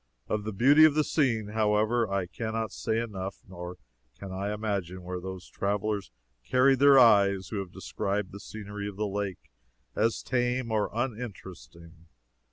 Of the beauty of the scene, however, I can not say enough, nor can I imagine where those travelers carried their eyes who have described the scenery of the lake as tame or uninteresting.